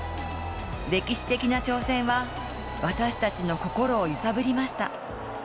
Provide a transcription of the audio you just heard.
歴史的な挑戦は、私たちの心を揺さぶりました。